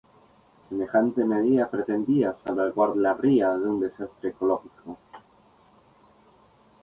Semejante medida pretendía salvaguardar la ría de un desastre ecológico.